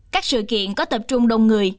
các sự kiện có tập trung đông người